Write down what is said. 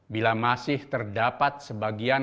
bila masih terdapat sebagiannya